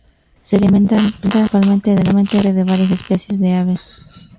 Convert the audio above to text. Se alimentan principalmente de la sangre de varias especies de aves.